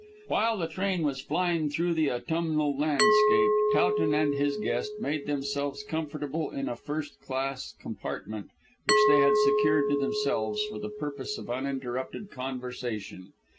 While the train was flying through the autumnal landscape Towton and his guest made themselves comfortable in a first class compartment, which they had secured to themselves, for the purpose of uninterrupted conversation.